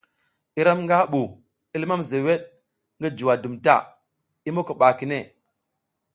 Iram nga bu, i limam zewed ngi juwa dum ta, i moko ba kine.